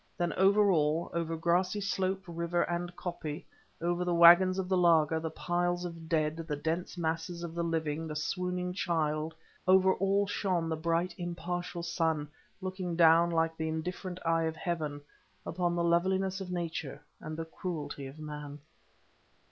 Then over all, over grassy slope, river, and koppie, over the waggons of the laager, the piles of dead, the dense masses of the living, the swooning child, over all shone the bright impartial sun, looking down like the indifferent eye of Heaven upon the loveliness of nature and the cruelty of man.